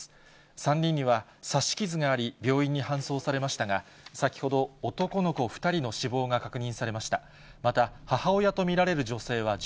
３人には刺し傷があり、病院に搬送されましたが、先ほど男の子２人の死亡が確認されました。